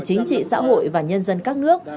chính trị xã hội và nhân dân các nước